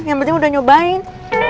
yang penting udah nyobain